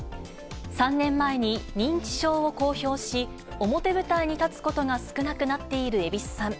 ３年前に、認知症を公表し、表舞台に立つことが少なくなっている蛭子さん。